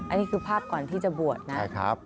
อันนี้คือภาพก่อนที่จะบวชนะ